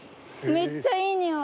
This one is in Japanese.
めっちゃいい匂い。